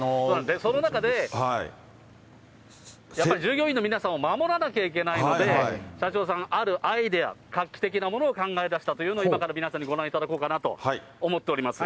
その中で、やっぱり従業員の皆さんを守らなきゃいけないので、社長さん、あるアイデア、画期的なものを考え出したということで、今から皆さんにご覧いただこうかなと思っております。